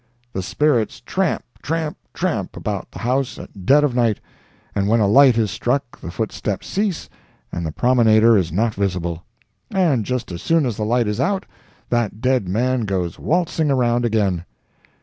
The spirits tramp, tramp, tramp, about the house at dead of night, and when a light is struck the footsteps cease and the promenader is not visible, and just as soon as the light is out that dead man goes waltzing around again.